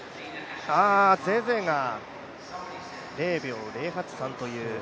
ゼゼが０秒０８３という。